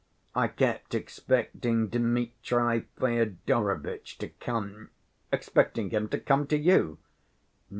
I kept expecting Dmitri Fyodorovitch to come." "Expecting him? To come to you?"